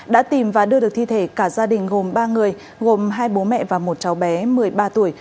đã tìm và đưa được thi thể cả gia đình gồm ba người gồm hai bố mẹ và một cháu bé một mươi ba tuổi